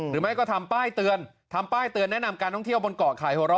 หรือไม่ก็ทำป้ายเตือนทำป้ายเตือนแนะนำการท่องเที่ยวบนเกาะไข่หัวเราะ